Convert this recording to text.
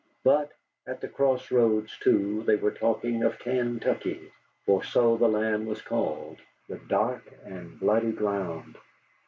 But at the Cross Roads, too, they were talking of Kaintuckee. For so the Land was called, the Dark and Bloody Ground.